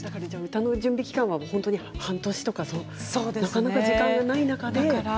歌の準備期間は半年とかなかなか時間がない中で？